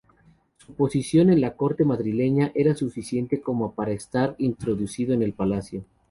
Su posición en la Corte madrileña era suficiente como para estar introducido en Palacio.